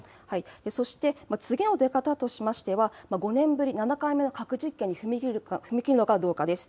そして、次の出方としましては、５年ぶり７回目の核実験に踏み切るのかどうかです。